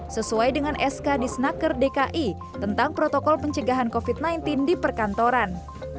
sesuai dengan sk di senaker dki tentang protokol pencegahan covid sembilan belas di perkantoran